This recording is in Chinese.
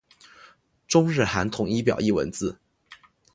中日韩统一表意文字。